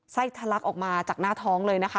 ทะลักออกมาจากหน้าท้องเลยนะคะ